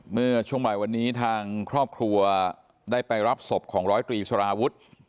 เมื่อช่วงบ่ายวันนี้ทางครอบครัวได้ไปรับศพของร้อยตรีสารวุฒิ